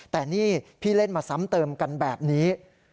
แต่นี่พี่เล่นมาซ้ำเติมกันแบบนี้